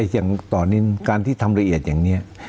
คืออย่างตอนนี้การที่ทำละเอียดอย่างนี้